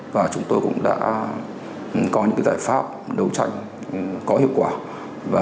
và chúng tôi cũng đã có những giải pháp đấu tranh có hiệu quả